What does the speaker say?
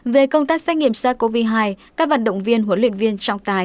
về công tác xét nghiệm sars cov hai các vận động viên huấn luyện viên trọng tài